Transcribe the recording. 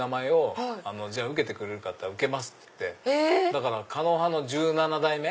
だから狩野派の１７代目。